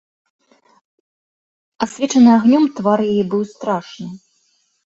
Асвечаны агнём твар яе быў страшны.